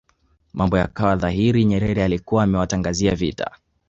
mambo yakawa dhahiri Nyerere alikuwa amewatangazia vita